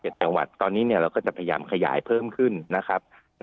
จังหวัดตอนนี้เนี่ยเราก็จะพยายามขยายเพิ่มขึ้นนะครับ